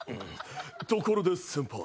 ところで先輩